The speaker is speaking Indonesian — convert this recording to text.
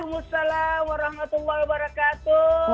waalaikumsalam warahmatullahi wabarakatuh